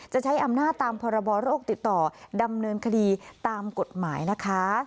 จะใช้อำนาจตามพรบโรคติดต่อดำเนินคดีตามกฎหมายนะคะ